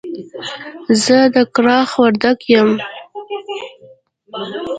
زه د کلاخ وردک يم.